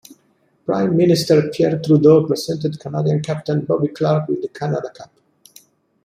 Prime Minister Pierre Trudeau presented Canadian captain Bobby Clarke with the Canada Cup.